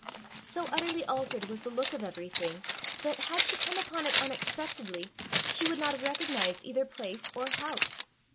So utterly altered was the look of everything, that had she come upon it unexpectedly, she would not have recognized either place or house.